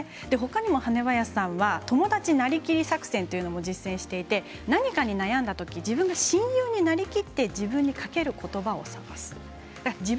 ほかにも羽林さんは友達なりきり作戦というのも実践していて、何かに悩んだとき自分が親友になりきって自分にかけることばを探すんだそうです。